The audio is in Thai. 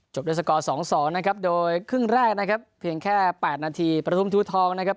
ด้วยสกอร์๒๒นะครับโดยครึ่งแรกนะครับเพียงแค่๘นาทีประทุมทูทองนะครับ